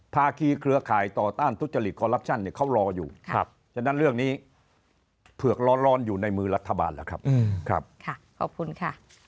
ภาคีเครือข่ายต่อต้านทุจริตคอลลับชั่นเนี่ยเขารออยู่ฉะนั้นเรื่องนี้เผือกร้อนอยู่ในมือรัฐบาลแล้วครับขอบคุณค่ะ